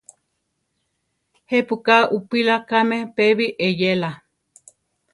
¿Je pu ka upíla káme pébi eyéla?